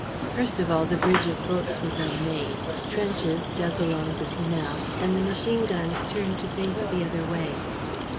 First of all, the bridge of boats was unmade, trenches dug along the canal and the machine guns turned to face the other way.